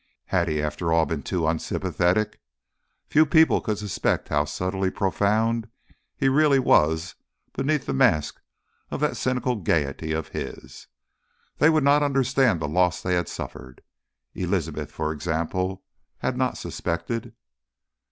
Had he after all been too unsympathetic? Few people could suspect how subtly profound he really was beneath the mask of that cynical gaiety of his. They would not understand the loss they had suffered. Elizabeth, for example, had not suspected....